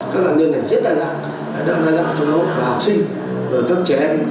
các nạn nhân này rất đa dạng